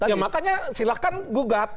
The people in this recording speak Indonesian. ya makanya silakan gugat